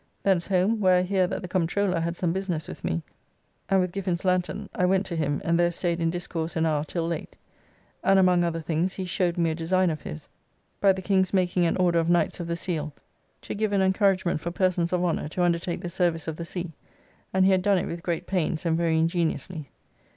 Thence home, where I hear that the Comptroller had some business with me, and (with Giffin's lanthorn) I went to him and there staid in discourse an hour 'till late, and among other things he showed me a design of his, by the King's making an Order of Knights of the Seal to give an encouragement for persons of honour to undertake the service of the sea, and he had done it with great pains and very ingeniously.